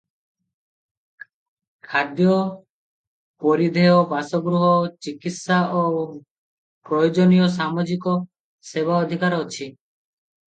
ଖାଦ୍ୟ, ପରିଧେୟ, ବାସଗୃହ, ଚିକିତ୍ସା ଓ ପ୍ରୟୋଜନୀୟ ସାମାଜିକ ସେବା ଅଧିକାର ଅଛି ।